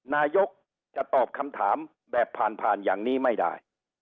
นายกจะตอบคำถามแบบผ่านผ่านอย่างนี้ไม่ได้